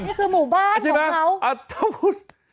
นี่คือหมู่บ้านของเขาใช่ไหมอะถ้าบุญ